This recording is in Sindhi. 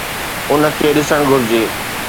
ان کي ڏسڻ گهرجي.